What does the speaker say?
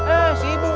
eh si ibu